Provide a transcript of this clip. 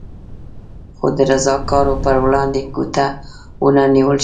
خو د رضاکارو پر وړاندې ګوته ونه نېول شي.